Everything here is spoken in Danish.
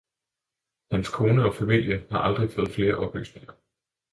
Hans kone og familie har aldrig fået flere oplysninger.